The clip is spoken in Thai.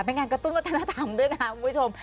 งานกระตุ้นวัฒนธรรมด้วยนะคะคุณผู้ชม